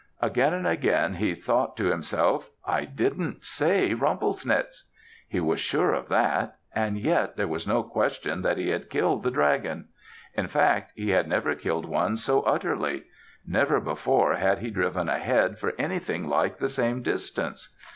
Again and again he thought to himself, "I didn't say 'Rumplesnitz'!" He was sure of that and yet there was no question that he had killed the dragon. In fact, he had never killed one so utterly. Never before had he driven a head for anything like the same distance.